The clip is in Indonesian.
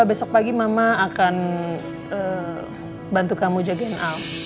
besok pagi mama akan bantu kamu jagain al